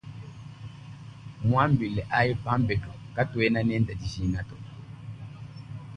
Muambila aye pambelu katuena nende dijinga to.